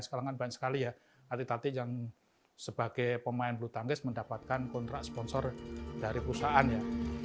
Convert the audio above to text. sekarang kan banyak sekali ya atlet atlet yang sebagai pemain bulu tangkis mendapatkan kontrak sponsor dari perusahaan ya